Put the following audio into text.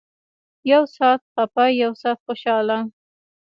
يو سات خپه يو سات خوشاله.